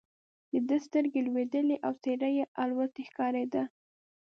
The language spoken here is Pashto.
د ده سترګې لوېدلې او څېره یې الوتې ښکارېده.